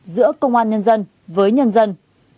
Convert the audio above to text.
giữa công an nhân dân với nhân dân